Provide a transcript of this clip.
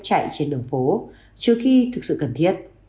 chạy trên đường phố trừ khi thực sự cần thiết